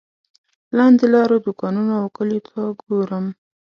لاندې لارو دوکانونو او کلیو ته ګورم.